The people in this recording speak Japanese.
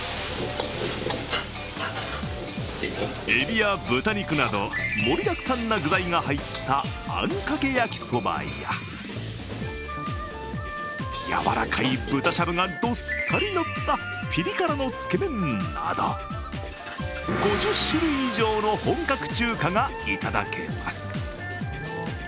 えびや豚肉など盛りだくさんな具材が入ったあんかけ焼きそばや、柔らかい豚しゃぶがどっさりのった、ピリ辛のつけ麺など、５０種類以上の本格中華がいただけます。